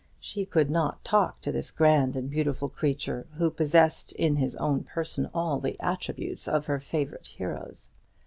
She could not talk to this grand and beautiful creature, who possessed in his own person all the attributes of her favourite heroes.